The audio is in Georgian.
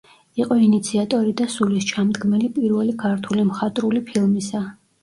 იყო ინიციატორი და სულისჩამდგმელი პირველი ქართული მხატვრული ფილმისა.